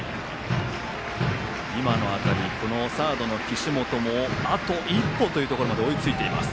今の当たり、サードの岸本もあと一歩というところまで追いついています。